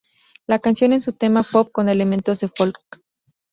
La canción es un tema pop con elementos de folk.